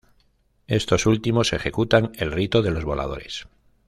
Estos últimos ejecutan el rito de los voladores.